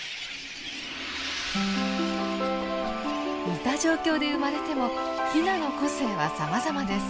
似た状況で生まれてもヒナの個性はさまざまです。